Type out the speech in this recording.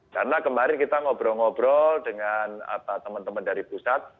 karena kemarin kita ngobrol ngobrol dengan teman teman dari pusat